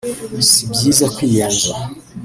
si byiza kwiyenza